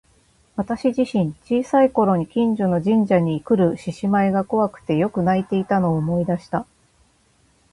私自身、小さい頃に近所の神社にくる獅子舞が怖くてよく泣いていたのを思い出した。